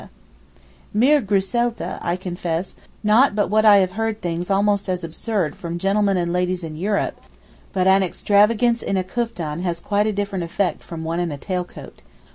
Mir grüselte, I confess, not but what I have heard things almost as absurd from gentlemen and ladies in Europe; but an 'extravagance' in a kuftan has quite a different effect from one in a tail coat.